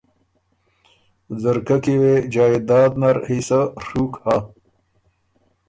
ځرکۀ کی وې جائداد نر حصۀ ڒُوک هۀ